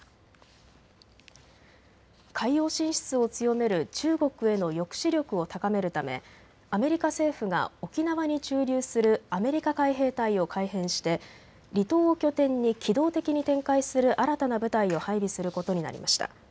海洋進出を強める中国への抑止力を高めるためアメリカ政府が沖縄に駐留するアメリカ海兵隊を改編して離島を拠点に機動的に展開する新たな部隊を配備することになりました。